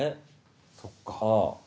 そっか。